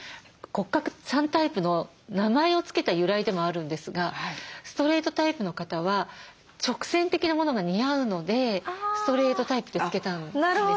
骨格３タイプの名前を付けた由来でもあるんですがストレートタイプの方は直線的なものが似合うのでストレートタイプって付けたんです。